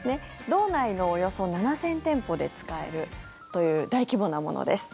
道内のおよそ７０００店舗で使えるという大規模なものです。